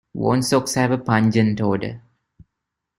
Worn socks have a pungent odour.